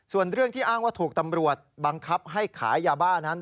ส่วนเรื่องที่อ้างว่าถูกตำรวจบังคับให้ขายยาบ้านั้น